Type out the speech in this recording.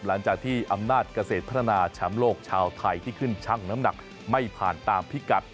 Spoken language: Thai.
หลังจากที่อำนาจเกษตรพัฒนาแชมป์โลกชาวไทยที่ขึ้นชั่งน้ำหนักไม่ผ่านตามพิกัด